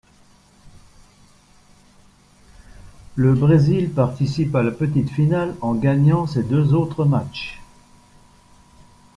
Le Brésil participe à la petite finale en gagnant ses deux autres matchs.